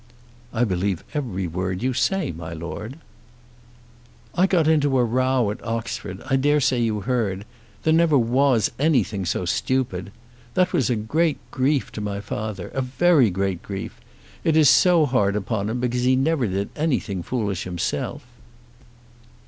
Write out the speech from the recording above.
"I believe every word you say, my Lord." "I got into a row at Oxford. I daresay you heard. There never was anything so stupid. That was a great grief to my father, a very great grief. It is so hard upon him because he never did anything foolish himself."